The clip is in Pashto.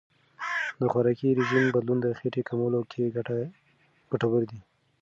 د خوراکي رژیم بدلون د خېټې کمولو کې ګټور دی.